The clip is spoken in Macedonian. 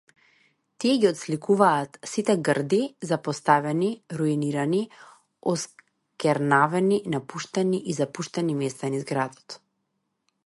Тие ги отсликуваат сите грди, запоставени, руинирани, осквернавени, напуштени и запуштени места низ градот.